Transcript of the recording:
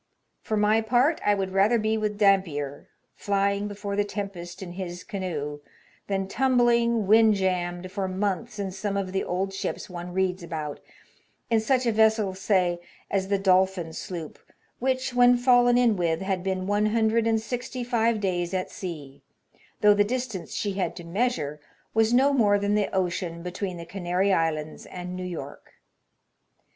For my part, I would rather be with Dampier, flying before the tempest in his canoe, than tumbling, wind jammed, for months in some of the old ships one reads about — in such a vessel, say, as the Dolphin sloop, which, when fallen in with, had been one hundred and sixty five days at sea, though the distance she had to measure was no more than the ocean between the Canary Islands and New York.